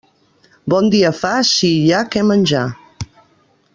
Bon dia fa si hi ha què menjar.